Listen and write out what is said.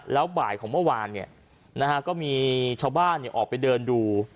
แล้วบ่ายของเมื่อวานก็มีชาวบ้านออกไปเดินดู